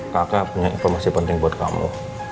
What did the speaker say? kakak punya informasi penting buat kamu